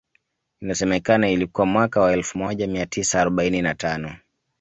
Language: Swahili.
Inasemekana ilikuwa mwaka wa elfu moja mia tisa arobaini na tano